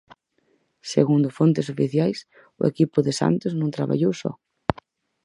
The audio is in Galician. Segundo fontes oficiais, o equipo de Santos non traballou só.